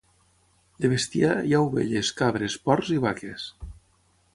De bestiar, hi ha ovelles, cabres, porcs i vaques.